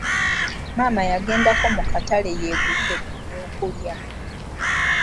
Maama yagendako mu katala yeegulire ku by'okulya.